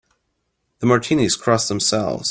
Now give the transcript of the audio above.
The Martinis cross themselves.